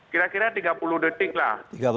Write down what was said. kira kira tiga puluh detik lah